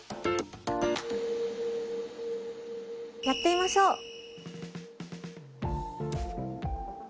やってみましょう。